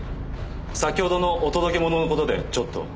先ほどのお届け物の事でちょっと。